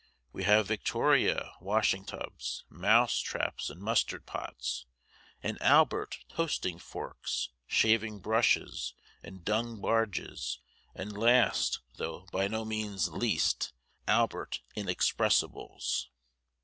We have Victoria washing tubs, mouse traps, and mustard pots, and Albert toasting forks, shaving brushes, and dung barges, and last, though by no means least, "Albert inexpressibles."